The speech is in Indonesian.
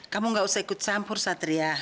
kamu gak usah ikut campur satria